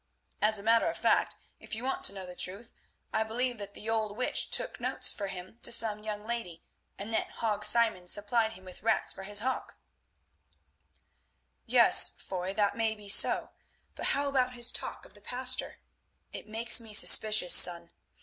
As a matter of fact, if you want to know the truth, I believe that the old witch took notes for him to some young lady, and that Hague Simon supplied him with rats for his hawks." "Yes, Foy, that may be so, but how about his talk of the pastor? It makes me suspicious, son.